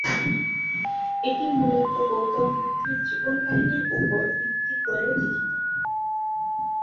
এটি মূলত গৌতম বুদ্ধের জীবন কাহিনীর ওপর ভিত্তি করে লিখিত।